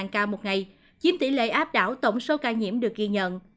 hai trăm linh ca một ngày chiếm tỷ lệ áp đảo tổng số ca nhiễm được ghi nhận